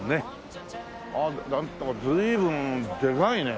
ああなんだか随分でかいね。